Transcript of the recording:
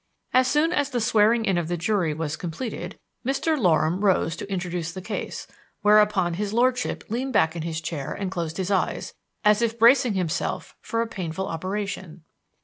As soon as the swearing in of the jury was completed Mr. Loram rose to introduce the case; whereupon his lordship leaned back in his chair and closed his eyes, as if bracing himself for a painful operation.